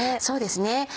そうですね